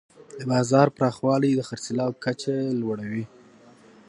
د بازار پراخوالی د خرڅلاو کچه لوړوي.